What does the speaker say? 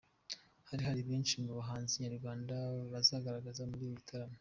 Hari hari benshi mu bahanzi nyarwanda bazagaragara muri ibi bitaramo.